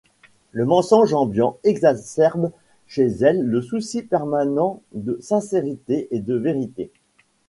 Le mensonge ambiant exacerbe chez elle le souci permanent de sincérité et de vérité.